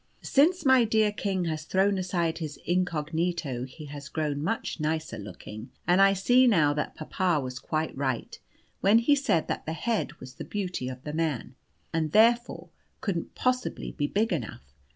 Since my dear king has thrown aside his incognito he has grown much nicer looking, and I see now that papa was quite right when he said that the head was the beauty of the man, and therefore couldn't possibly be big enough.